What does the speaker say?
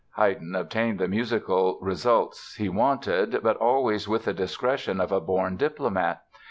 Haydn obtained the musical results he wanted, but always with the discretion of a born diplomat.